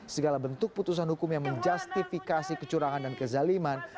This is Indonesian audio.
segala bentuk putusan hukum yang menjustifikasi kecurangan dan kezaliman